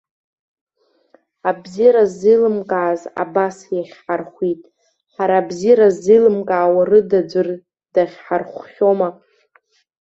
Абзиара ахьырзеилымкааз азы абас иахьҳархәит. Ҳара, абзиара ззеилымкаауа рыда ӡәыр дахьҳархәхьоума?